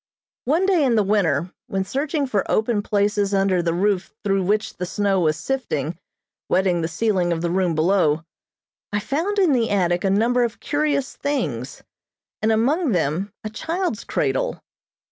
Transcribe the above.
One day in the winter, when searching for open places under the roof through which the snow was sifting, wetting the ceiling of the room below, I found in the attic a number of curious things, and among them a child's cradle.